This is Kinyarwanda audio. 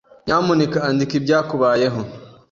Nyamuneka andika ibyakubayeho.